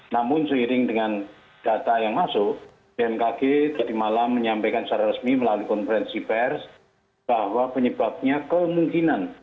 namun seiring dengan data yang masuk bmkg tadi malam menyampaikan secara resmi melalui konferensi pers bahwa penyebabnya kemungkinan